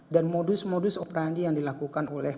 dan modus modus operandi yang dilakukan oleh